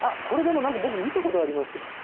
これでも何か僕見たことありますよ。